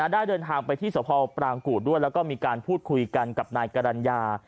ได้เดินทางไปที่สภปรางกูธด้วยแล้วก็มีการพูดคุยกันกับนายกรรณญา